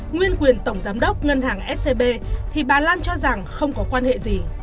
nguyên quyền tổng giám đốc ngân hàng scb thì bà lan cho rằng không có quan hệ gì